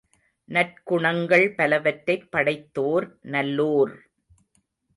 நற்குணங்கள் பலவற்றைப் படைத்தோர் நல்லோர்!